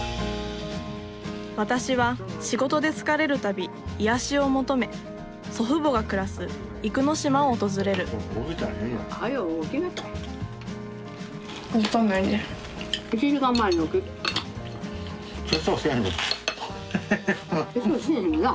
私は仕事で疲れる度癒やしを求め祖父母が暮らす生野島を訪れる化粧せえへんな。